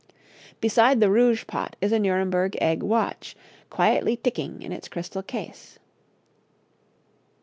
Beside the rouge pot is a Nuremberg egg watch, quietly ticking in its crystal case.